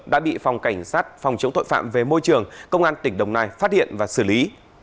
đã bị phòng cảnh sát phòng chống tội phạm về môi trường công an tỉnh đồng nai phát hiện và xử lý